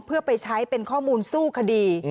เพื่อไปใช้เป็นข้อมูลสู้คดี